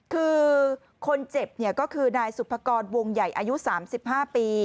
คือคนเจ็บก็คือนายสุภกรวงใหญ่อายุ๓๕ปี